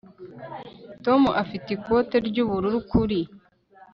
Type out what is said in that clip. tom afite ikote ry'ubururu kuri